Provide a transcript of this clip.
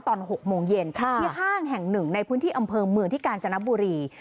ตอน๖โมงเย็นที่ห้างแห่งหนึ่งในพื้นที่อำเภอเมืองที่กาญจนบุรี